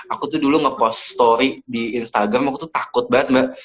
aku tuh dulu ngepost story di instagram aku tuh takut banget mbak